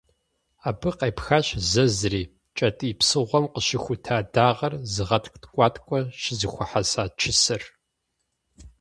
Абы къепхащ зэзри - кӏэтӏий псыгъуэм къыщыхута дагъэр зыгъэткӏу ткӏуаткӏуэр щызэхуэхьэса «чысэр».